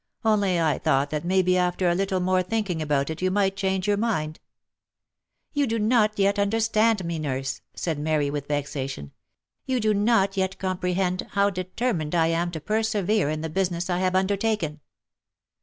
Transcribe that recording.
Only I thought that may be after a little more thinking about it you might change your mind." " You do not yet understand me, nurse !" said Mary, with vexation. " You do not yet comprehend how determined I am to persevere in the business I have undertaken."